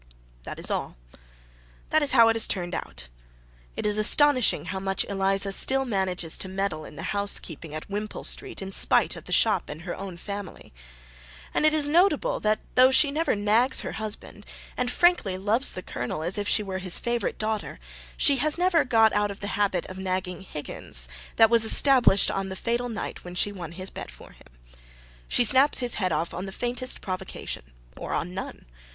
That is all. That is how it has turned out. It is astonishing how much Eliza still manages to meddle in the housekeeping at Wimpole Street in spite of the shop and her own family. And it is notable that though she never nags her husband, and frankly loves the Colonel as if she were his favorite daughter, she has never got out of the habit of nagging Higgins that was established on the fatal night when she won his bet for him. She snaps his head off on the faintest provocation, or on none.